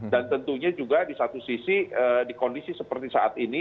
dan tentunya juga di satu sisi di kondisi seperti saat ini